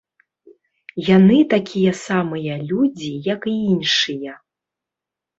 Яны такія самыя людзі, як і іншыя.